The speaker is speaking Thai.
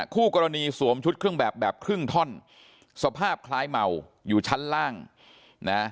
คู่กรณีสวมชุดเครื่องแบบแบบครึ่งท่อนสภาพคล้ายเมาอยู่ชั้นล่างนะ